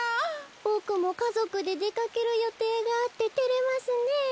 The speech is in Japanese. ボクもかぞくででかけるよていがあっててれますねえ。